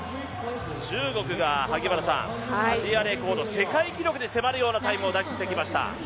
中国がアジアレコード世界記録に迫るようなタイムを出してきました。